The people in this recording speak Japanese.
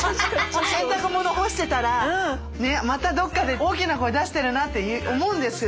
洗濯物干してたらまたどっかで大きな声出してるなって思うんですよ